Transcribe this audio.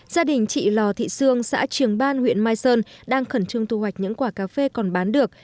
gia đình chị lò thị sương xã trường ban huyện mai sơn đang khẩn trương thu hoạch những quả cà phê còn bán được